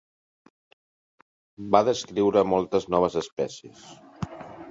Va descriure moltes noves espècies.